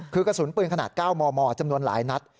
คือกระสุนปืนขนาด๙มมจำนวนหลายนัด